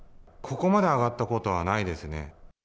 ここまで上がったことはないですね。